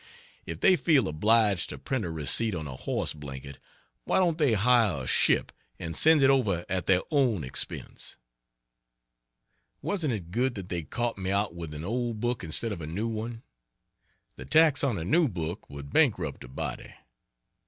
If they feel obliged to print a receipt on a horse blanket, why don't they hire a ship and send it over at their own expense? Wasn't it good that they caught me out with an old book instead of a new one? The tax on a new book would bankrupt a body.